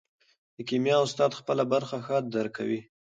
د کیمیا استاد خپله برخه ښه درک کوي.